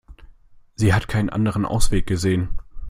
Sie hat keinen anderen Ausweg gesehen.